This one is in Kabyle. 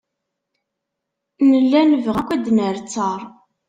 Nella nebɣa akk ad d-nerr ttaṛ.